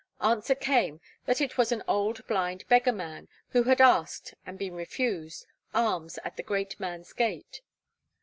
Answer came that it was an old blind beggar man, who had asked, and been refused, alms at the great man's gate.